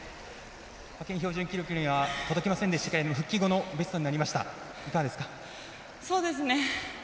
派遣標準記録には届きませんでしたけど復帰後のベストになりました。